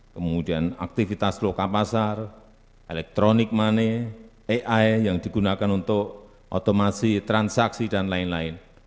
kemudian aktivitas loka pasar elektronik money ai yang digunakan untuk otomasi transaksi dan lain lain